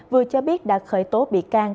vừa cho biết đã khởi tố bị can